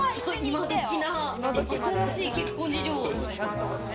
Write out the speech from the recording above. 今どきな、新しい結婚事情。